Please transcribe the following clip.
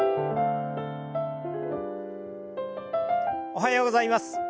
おはようございます。